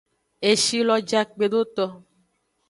Eshi lo ja kpedo eto.